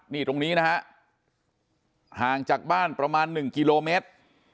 นี่ตรงนี้นะฮะห่างจากบ้านประมาณ๑กิโลเมตร